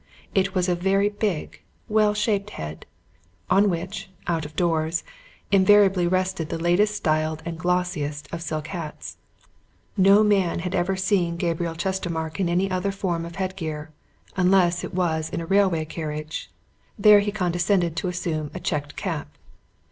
It was a very big, well shaped head, on which, out of doors, invariably rested the latest styled and glossiest of silk hats no man had ever seen Gabriel Chestermarke in any other form of head gear, unless it was in a railway carriage, there he condescended to assume a checked cap.